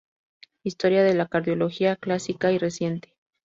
Historia de la Cardiología Clásica y Reciente.